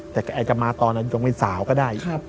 แต่แกจะมาตอนนั้นจงเป็นสาวก็ได้